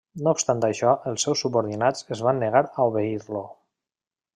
No obstant això els seus subordinats es van negar a obeir-lo.